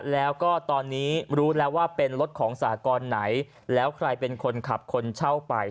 แล้วก็ตอนนี้รู้แล้วว่าเป็นรถของสากรไหนแล้วใครเป็นคนขับคนเช่าไป